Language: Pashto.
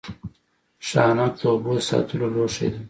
ښانک د اوبو د ساتلو لوښی دی